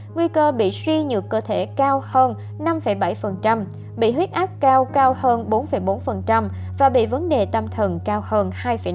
nguy cơ bị suy nhược cơ thể cao hơn năm bảy bị huyết áp cao cao hơn bốn bốn và bị vấn đề tâm thần cao hơn hai năm